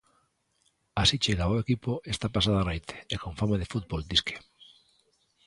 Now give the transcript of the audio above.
Así chegaba o equipo esta pasada noite, e con fame de fútbol, disque.